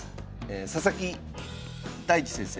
佐々木大地先生。